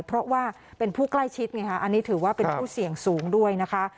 เพราะว่าเป็นผู้ใกล้ชิดไงค่ะอันนี้ถือว่าเป็นผู้เสี่ยงสูงด้วยนะคะ